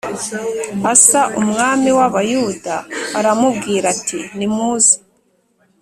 Asa umwami w Abayuda aramubwira ati nimuze